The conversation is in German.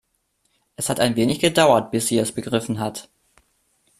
Es hat ein wenig gedauert, bis sie es begriffen hat.